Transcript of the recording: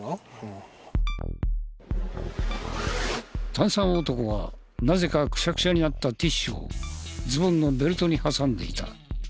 炭酸男はなぜかクシャクシャになったティッシュをズボンのベルトに挟んでいた。